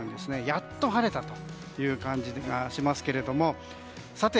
やっと晴れたという感じがしますけれども。